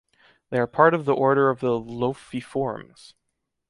They are a part of the order of the Lophiiformes.